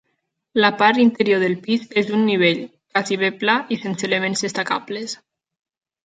La part interior del pis és un nivell, quasi bé pla i sense elements destacables.